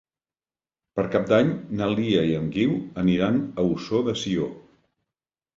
Per Cap d'Any na Lia i en Guiu aniran a Ossó de Sió.